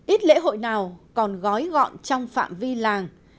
ít lễ hội nào còn gói gọn trong phạm vi làng